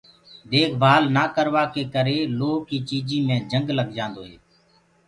ديک ڀآل نآ ڪروآ ڪي ڪرآ لوه ڪي چيجينٚ مي جنگ لگدو هي۔